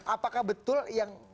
apakah betul yang